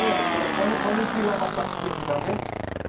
この小道がまた素敵だね。